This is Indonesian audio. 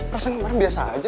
rasanya kemarin biasa aja